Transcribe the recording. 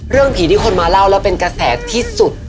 ผีที่คนมาเล่าแล้วเป็นกระแสที่สุด